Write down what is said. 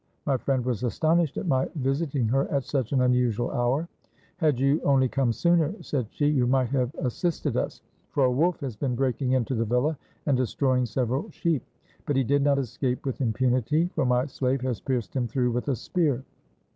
My friend was astonished at my visiting her at such an unusual hour. " Had you only come sooner," said she, " you might have assisted us; for a wolf has been breaking into the villa and destroying several sheep ; but he did not escape with impunity ; for my slave has pierced him through with a spear."